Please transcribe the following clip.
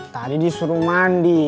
tadi disuruh mandi